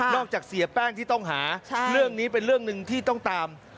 จากเสียแป้งที่ต้องหาเรื่องนี้เป็นเรื่องหนึ่งที่ต้องตาม